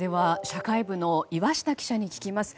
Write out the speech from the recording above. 社会部の岩下記者に聞きます。